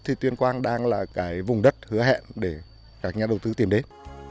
thì tuyên quang đang là cái vùng đất hứa hẹn để các nhà đầu tư tìm đến